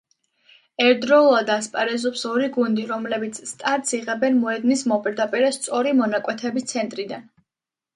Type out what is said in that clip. ერთდროულად ასპარეზობს ორი გუნდი, რომლებიც სტარტს იღებენ მოედნის მოპირდაპირე სწორი მონაკვეთების ცენტრიდან.